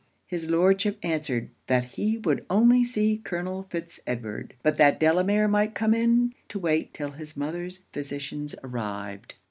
His Lordship answered "That he would only see Colonel Fitz Edward; but that Delamere might come in, to wait 'till his mother's physicians arrived."